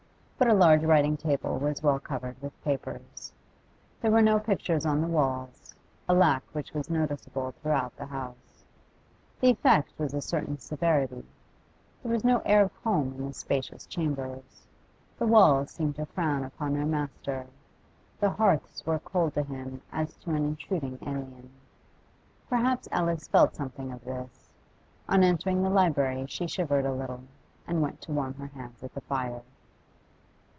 But a large writing table was well covered with papers. There were no pictures on the walls, a lack which was noticeable throughout the house. The effect was a certain severity; there was no air of home in the spacious chambers; the walls seemed to frown upon their master, the hearths were cold to him as to an intruding alien. Perhaps Alice felt something of this; on entering the library she shivered a little, and went to warm her hands at the fire.